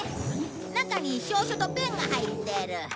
中に証書とペンが入ってる。